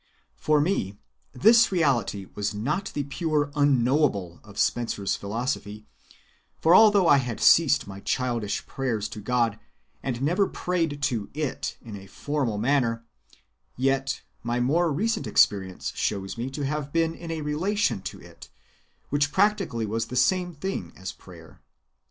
For me this Reality was not the pure Unknowable of Spencer's philosophy, for although I had ceased my childish prayers to God, and never prayed to It in a formal manner, yet my more recent experience shows me to have been in a relation to It which practically was the same thing as prayer.